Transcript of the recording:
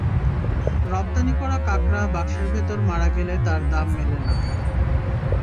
রপ্তানি করা কাঁকড়া বাক্সের ভেতর মারা গেলে তার দাম মেলে না।